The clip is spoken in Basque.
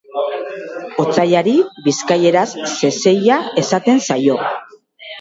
Otsailari bizkaieraz zezeila esaten zaio.